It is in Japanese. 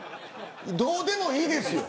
どうでもいいですよ。